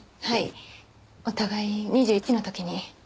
お互い２１の時に。